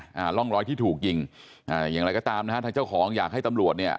อ่าร่องรอยที่ถูกยิงอ่าอย่างไรก็ตามนะฮะทางเจ้าของอยากให้ตำรวจเนี่ย